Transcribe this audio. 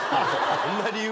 そんな理由？